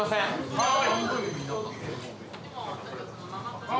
はい！